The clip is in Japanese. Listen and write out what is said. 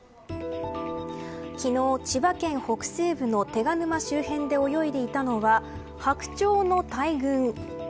昨日、千葉県北西部の手賀沼周辺で泳いでいたのはハクチョウの大群。